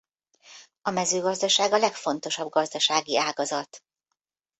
A mezőgazdaság a legfontosabb gazdasági ágazat.